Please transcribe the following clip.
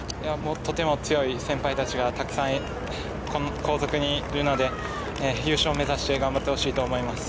とても強い先輩たちがたくさん後続にいるので優勝目指して頑張ってほしいと思います。